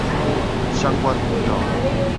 相關頻道